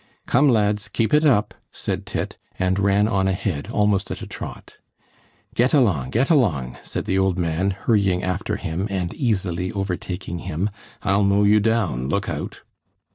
"Come, lads, keep it up!" said Tit, and ran on ahead almost at a trot. "Get along, get along!" said the old man, hurrying after him and easily overtaking him, "I'll mow you down, look out!"